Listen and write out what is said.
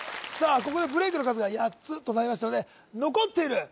ここでブレイクの数が８つとなりましたので残っている